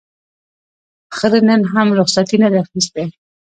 خره نن هم رخصتي نه ده اخیستې.